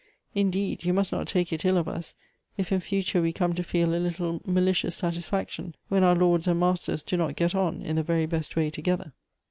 Indeed, you must not take it ill of us, if in future we come to feel a little malicious satisfaction when our lords and masters do not get on in the very best way together."